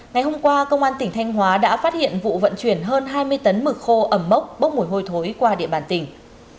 ngày hôm qua công an tỉnh thanh hóa đã phát hiện vụ vận chuyển hơn hai mươi tấn mực khô ẩm mốc bốc mùi hôi thối qua địa bàn tỉnh